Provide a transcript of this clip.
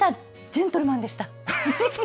ジェントルマンでした。